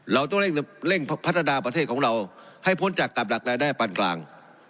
เราต้องเร่งพัฒนาประเทศของเราให้พ้นจากกับหลักรายได้ปานกลาง